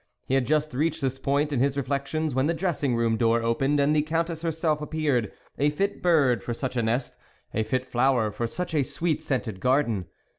He had just reached this point in his reflections, when the dressing room door opened and the Countess herself appeared, a fit bird for such a nest, a fit flower for such a sweet scented garden.